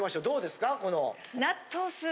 どうですか？